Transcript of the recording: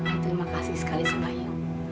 saya terima kasih sekali sama ibu